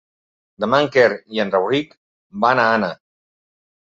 Demà en Quer i en Rauric van a Anna.